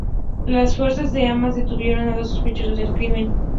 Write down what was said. Las Fuerzas de Hamas detuvieron a dos sospechosos del crimen.